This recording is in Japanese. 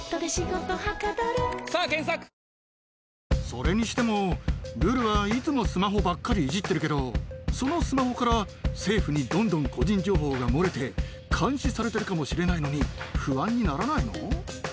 それにしても、ルルはいつもスマホばっかりいじってるけど、そのスマホから政府にどんどん個人情報が漏れて、監視されてるかもしれないのに、不安にならないの？